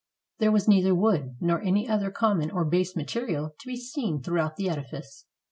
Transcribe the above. There was neither wood, nor any other com mon or base material to be seen throughout the edifice.